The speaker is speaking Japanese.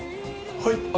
はい。